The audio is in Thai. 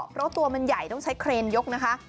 เพราะตัวมันใหญ่ต้องใช้เครนยกนะคะ